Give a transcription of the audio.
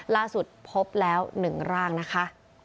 ล่าสุดพบแล้ว๑ร่างนะคะ